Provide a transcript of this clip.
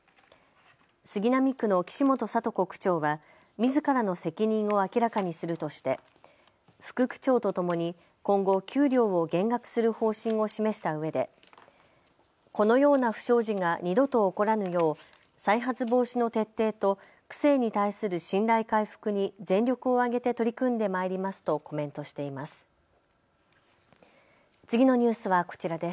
杉並区の岸本聡子区長はみずからの責任を明らかにするとして副区長とともに今後、給料を減額する方針を示したうえでこのような不祥事が二度と起こらぬよう再発防止の徹底と区政に対する信頼回復に全力を挙げて取り組んでまいりますとコメントしています。